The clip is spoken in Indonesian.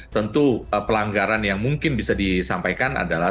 tentu pelanggaran yang mungkin bisa disampaikan adalah